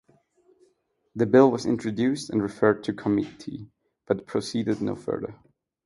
The bill was introduced and referred to committee, but proceeded no further.